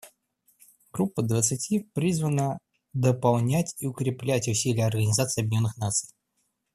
Группа двадцати призвана дополнять и укреплять усилия Организации Объединенных Наций.